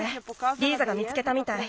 リーザが見つけたみたい。